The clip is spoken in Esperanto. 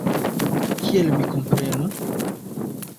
Kiel mi komprenu?